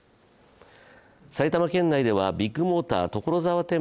埼玉県内ではビッグモーター所沢店